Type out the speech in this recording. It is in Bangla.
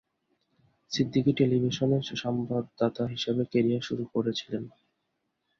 সিদ্দিকী টেলিভিশনে সংবাদদাতা হিসেবে কেরিয়ার শুরু করেছিলেন।